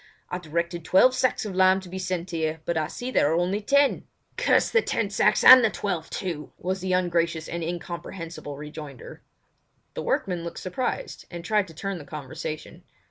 I directed twelve sacks of lime to be sent here, but I see there are only ten." "Damn the ten sacks and the twelve too!" was the ungracious and incomprehensible rejoinder. The workman looked surprised, and tried to turn the conversation.